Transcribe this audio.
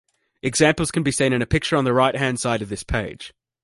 Examples can be seen in a picture on the right-hand side of this page.